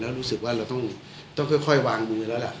แล้วรู้สึกว่าเราต้องค่อยวางมือแล้วล่ะ